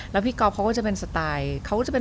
แล้วพี่ก๊อฟเขาก็จะเป็นสไตล์เขาก็จะเป็น